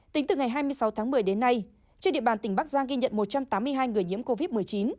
tính từ ngày hai mươi sáu tháng một mươi đến nay trên địa bàn tỉnh bắc giang ghi nhận một trăm tám mươi hai người nhiễm covid một mươi chín